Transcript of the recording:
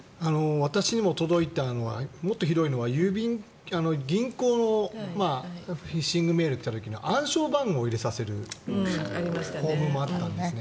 私にも届いたのはもっとひどいのは銀行のフィッシングメールが来た時に暗証番号を入れさせるフォームもあったんですね。